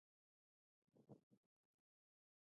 تیروتنه تکرارول څه دي؟